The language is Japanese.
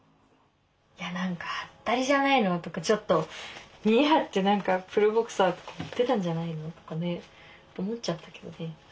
いや何かハッタリじゃないのとかちょっと見え張ってプロボクサーとか言ってたんじゃないのとかね思っちゃったけどね。